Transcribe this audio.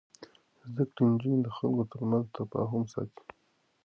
زده کړې نجونې د خلکو ترمنځ تفاهم ساتي.